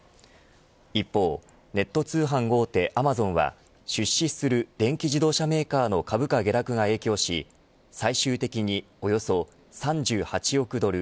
一方、ネット通販大手アマゾンは出資する電気自動車メーカーの株価下落が影響し最終的におよそ３８億ドル